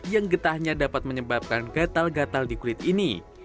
yang getahnya dapat menyebabkan gatal gatal di kulit ini